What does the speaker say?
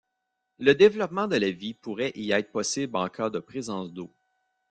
Le développement de la vie pourrait y être possible en cas de présence d'eau.